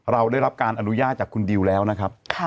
เราได้รับการอนุญาตจากคุณดิวแล้วนะครับ